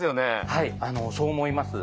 はいそう思います。